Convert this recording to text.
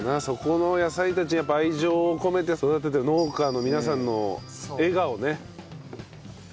そこの野菜たちにやっぱ愛情をこめて育ててる農家の皆さんの笑顔ね。